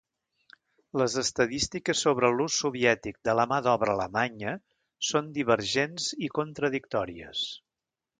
Les estadístiques sobre l'ús soviètic de la mà d'obra alemanya són divergents i contradictòries.